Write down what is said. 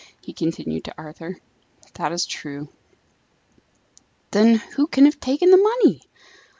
he continued to Arthur. "That is true." "Then who can have taken the money?"